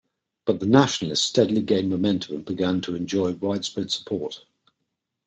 But the nationalists steadily gained momentum and began to enjoy widespread support.